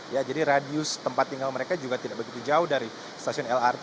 ya jadi radius tempat tinggal mereka juga tidak begitu jauh dari stasiun lrt